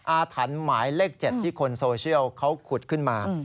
อาถรรพ์หมายเลข๗ที่คนโซเชียลเขาขุดขึ้นมา